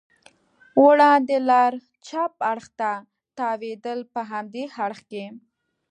وړاندې لار چپ اړخ ته تاوېدل، په همدې اړخ کې.